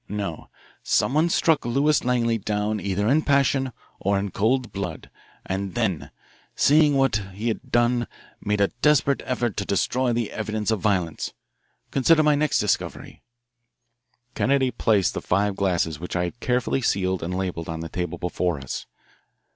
No, someone struck Lewis Langley down either in passion or in cold blood, and then, seeing what he had done, made a desperate effort to destroy the evidence of violence. Consider my next discovery." Kennedy placed the five glasses which I had carefully sealed and labelled on the table before us.